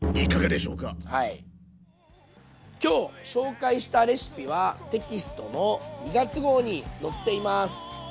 今日紹介したレシピはテキストの２月号に載っています。